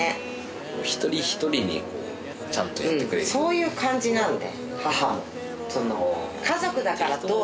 そういう感じなのね